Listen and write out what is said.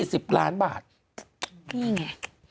คุณหนุ่มกัญชัยได้เล่าใหญ่ใจความไปสักส่วนใหญ่แล้ว